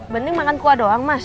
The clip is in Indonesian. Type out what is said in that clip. bening makan kuah doang mas